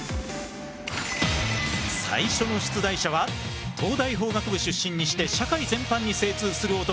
最初の出題者は東大法学部出身にして社会全般に精通する男